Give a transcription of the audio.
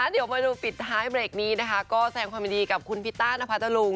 เดี๋ยวมาดูปิดท้ายเบรกนี้นะคะก็แสงความยินดีกับคุณพิตต้านพัทธรุง